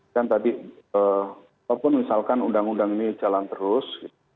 kan tadi walaupun misalkan undang undang ini jalan terus